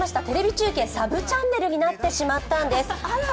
テレビ中継、サブチャンネルになってしまったんです。